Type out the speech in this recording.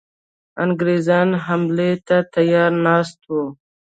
انګرېزان حملې ته تیار ناست وه.